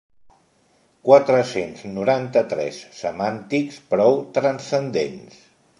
Quatre-cents noranta-tres semàntics prou transcendents.